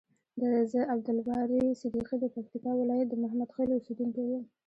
ز عبدالباری صدیقی د پکتیکا ولایت د محمدخیلو اوسیدونکی یم.